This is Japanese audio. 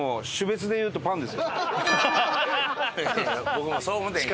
僕もそう思うてんけど。